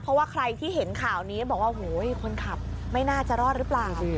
เพราะว่าใครที่เห็นข่าวนี้บอกว่าโหยคนขับไม่น่าจะรอดหรือเปล่า